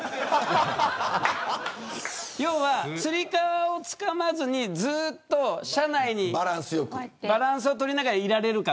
要はつり革をつかまずにずっと車内にバランスを取りながらいられるか。